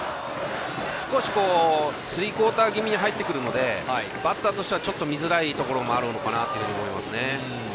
少しスリークオーター気味に入ってくるのでバッターとしては見づらいところがあるのかなと思います。